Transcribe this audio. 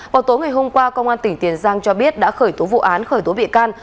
vào tối ngày hôm qua công an tỉnh tiền giang cho biết đã khởi tố vụ án khởi tố bị can